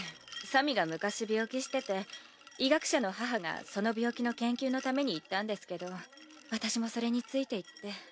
さみが昔病気してて医学者の母がその病気の研究のために行ったんですけど私もそれについていって。